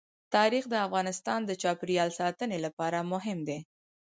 تاریخ د افغانستان د چاپیریال ساتنې لپاره مهم دي.